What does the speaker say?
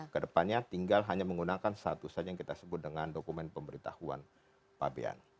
kedepannya tinggal hanya menggunakan satu saja yang kita sebut dengan dokumen pemberitahuan pabean